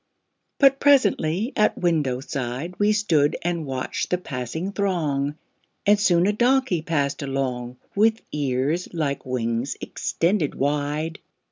But presently at window side We stood and watched the passing throng, And soon a donkey passed along With ears like wings extended wide.